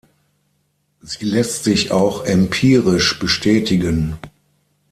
Sie lässt sich auch empirisch bestätigen.